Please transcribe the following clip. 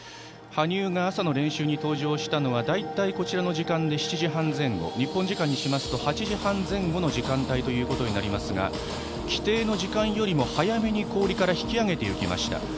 羽生が朝の練習に登場したのは大体こちらの時間で７時半前後日本時間にしますと８時半前後の時間帯ですが規定の時間よりも早めに氷から引き上げました。